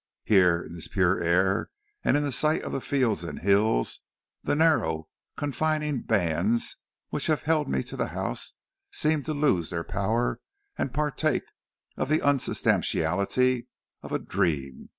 "Here, in this pure air, and in sight of the fields and hills, the narrow, confining bands which have held me to the house seem to lose their power and partake of the unsubstantiality of a dream.